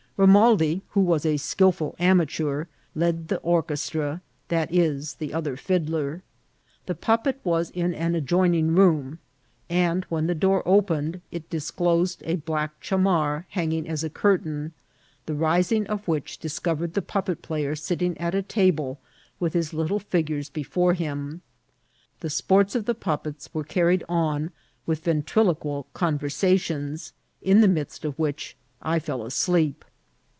Romaldi, who was a skilful amateur, led the orchestra, that is, the TOLCAHO OF IL AOVA* 9TS Other fiddler. The pvqppet was in an adjoining rocnn^ and when the door opened it discloeed a black chamar hanging as a curtain, the rising of which discovered the puppet player sitting at a table with his little figures before him. The sports oi the puppets were carried on with yentriloquial conyersationSi in the midst of which I feU asleep.